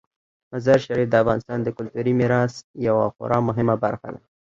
مزارشریف د افغانستان د کلتوري میراث یوه خورا مهمه برخه ده.